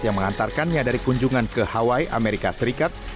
yang mengantarkannya dari kunjungan ke hawaii amerika serikat